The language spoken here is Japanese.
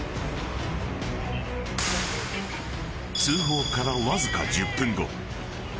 ［通報からわずか１０分後］